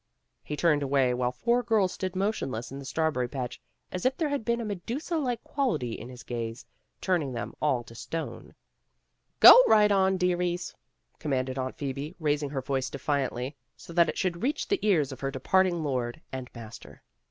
'' He turned away while four girls stood motionless in the straw berry patch, as if there had been a Medusa like quality in his gaze, turning them all to stone. "Go right on, dearies," commanded Aunt Phoebe, raising her voice defiantly, so that it should reach the ears of her departing lord and A TRIUMPH OF ART 47 master.